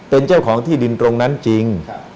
เป็นเจ้าของที่ดินตรงนั้นจริง